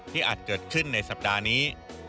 อาจเกิดขึ้นในสัปดาห์นี้